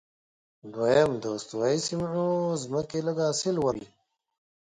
دویم، د استوایي سیمو ځمکې لږ حاصل ورکوي.